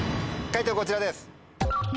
解答こちらです。